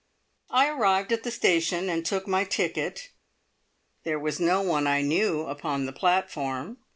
I arrived at the station and took my ticket. There was no one I knew upon the platform.